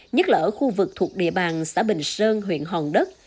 nhất là ở khu vực thuộc địa bàn xã bình sơn huyện hòn đất